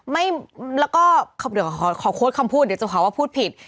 ไม่แล้วก็เดี๋ยวขอโค้ดคำพูดเดี๋ยวจะขอว่าพูดผิด